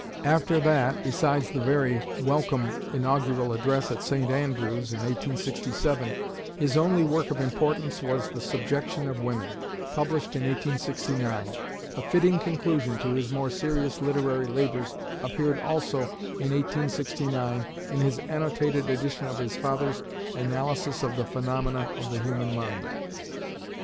After that, besides the very welcome "Inaugural Address" at St. Andrew's in 1867, his only work of importance was "The Subjection of Women," published in 1869. A fitting conclusion to his more serious literary labors appeared also in 1869 in his annotated edition of his father's "Analysis of the Phenomena of the Human Mind."